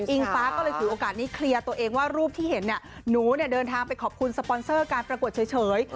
ฟ้าก็เลยถือโอกาสนี้เคลียร์ตัวเองว่ารูปที่เห็นเนี่ยหนูเดินทางไปขอบคุณสปอนเซอร์การประกวดเฉย